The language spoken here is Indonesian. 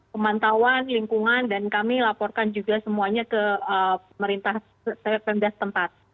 pemantauan lingkungan dan kami laporkan juga semuanya ke pemerintah tempat